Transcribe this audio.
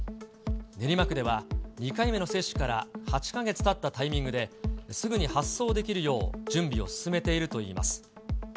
練馬区では２回目の接種から８か月たったタイミングですぐに発送できるよう、準備を進めているといいます。